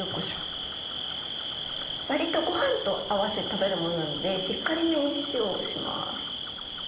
割とご飯と合わせて食べるものなのでしっかりめに塩をします。